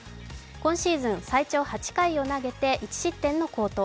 今シーズン最長８回を投げて１失点の好投。